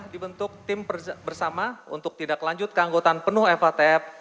dibentuk tim bersama untuk tidak lanjut ke anggota penuh fatf